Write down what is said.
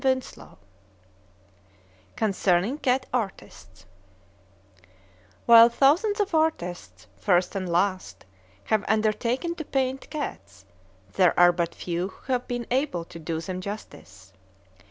CHAPTER X CONCERNING CAT ARTISTS While thousands of artists, first and last, have undertaken to paint cats, there are but few who have been able to do them justice.